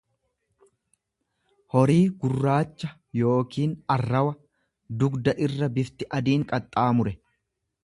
horii gurraacha yookiin arrawa dugda irra bifti adiin qaxxaamure.